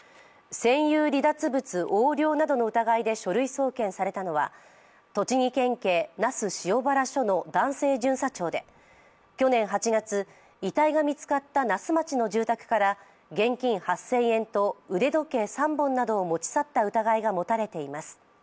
占有離脱物横領などの疑いで書類送検されたのは、栃木県警那須塩原署の男性巡査長で去年８月、遺体が見つかった那須町の住宅から現金８０００円と腕時計３本などを持ち去った疑いが持たれています。